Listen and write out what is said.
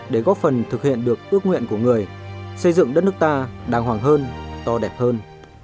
để góp phần thực hiện được ước nguyện của người xây dựng đất nước ta đàng hoàng hơn to đẹp hơn